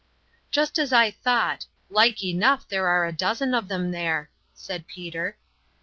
"Just as I thought. Like enough there are a dozen of them there," said Peter.